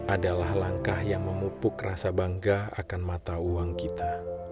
adalah langkah yang memupuk rasa bangga akan mata uang kita